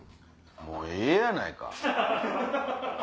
「もうええやないか」